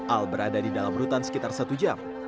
al berada di dalam rutan sekitar satu jam